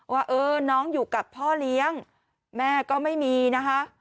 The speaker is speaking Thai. ว่าเออน้องอยู่กับพ่อเลี้ยงแม่ก็ไม่มีนะคะ